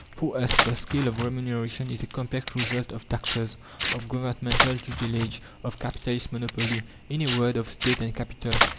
For us the scale of remuneration is a complex result of taxes, of governmental tutelage, of Capitalist monopoly. In a word, of State and Capital.